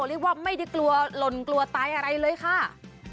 เรียกว่าไม่ได้กลัวหล่นกลัวตายอะไรเลยค่ะ